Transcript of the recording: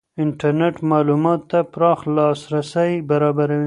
انټرنېټ معلوماتو ته پراخ لاسرسی برابروي.